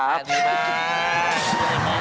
หนูสอนให้ดู